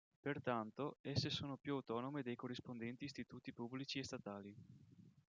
Pertanto, esse sono più autonome dei corrispondenti istituti pubblici e statali.